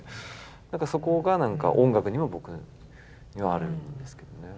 そこが音楽にも僕にはあるんですけどね。